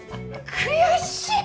悔しい。